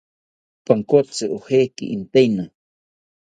Pankotzi ojeki intaena